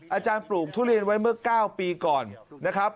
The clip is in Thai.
อาจารย์ปลูกทุเรียนไว้เมื่อ๙ปีก่อนนะครับ